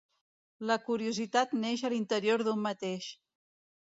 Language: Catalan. La curiositat neix de l'interior d'un mateix.